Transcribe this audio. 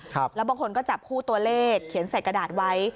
แล้วบางคนก็จับคู่ตัวเลขเขียนใส่กระดาษไว้